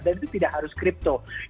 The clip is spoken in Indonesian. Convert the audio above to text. dan itu tidak harus kripto